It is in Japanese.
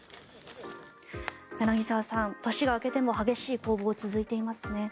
柳澤さん、年が明けても激しい攻防が続いていますね。